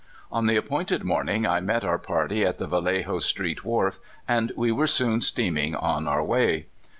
On the appointed morning I met our party at the Vallejo Street wharf, and we were soon steaming on our way.